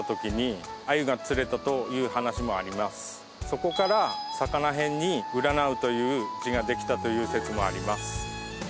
そこから魚へんに占うという字ができたという説もあります